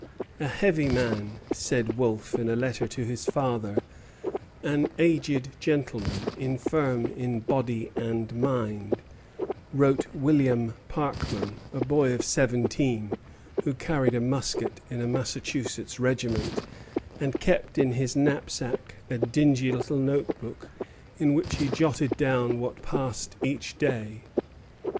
"A heavy man," said Wolfe in a letter to his father; "an aged gentleman, infirm in body and mind," wrote William Parkman, a boy of seventeen, who carried a musket in a Massachusetts regiment, and kept in his knapsack a dingy little note book, in which he jotted down what passed each day.